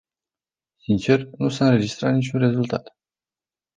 Sincer, nu s-a înregistrat niciun rezultat.